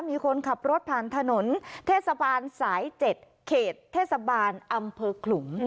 มีคนขับรถผ่านถนนเทศบาลสาย๗เขตเทศบาลอำเภอขลุง